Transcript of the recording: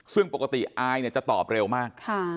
ซึ่งปกติอายจะตอบเร็วมาก